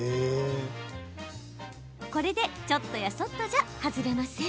これで、ちょっとやそっとじゃ外れません。